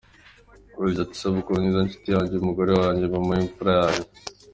Yagize ati “Isabukuru Nziza nshuti yanjye, Umugore wanjye, Mama w’imfura yanjye.